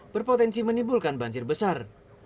berpotensi menimbulkan banjir besar